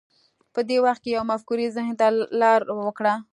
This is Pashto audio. په دې وخت کې یوې مفکورې ذهن ته لار وکړه